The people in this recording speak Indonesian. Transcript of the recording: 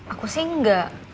aku sih enggak